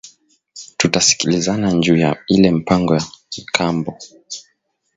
Tuta sikilizana nju ya ile mpango ya nkambo